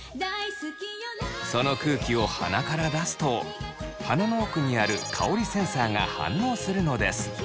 その空気を鼻から出すと鼻の奥にある香りセンサーが反応するのです。